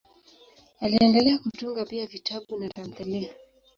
Aliendelea kutunga pia vitabu na tamthiliya.